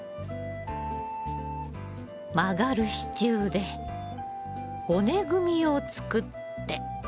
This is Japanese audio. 曲がる支柱で骨組みを作って。